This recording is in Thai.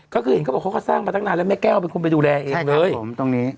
ก็คือเห็นเขาบอกเขาก็สร้างมาตั้งนานแล้วแม่แก้วเป็นคนไปดูแลเองเลยผมตรงนี้